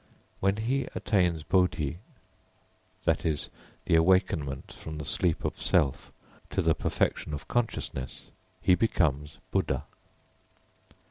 When he attains Bodhi, i.e. the awakenment from the sleep of self to the perfection of consciousness, he becomes Buddha.